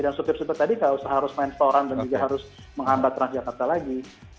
dan sopir supir tadi tidak usah harus main soran dan juga harus mengambat transjakarta lagi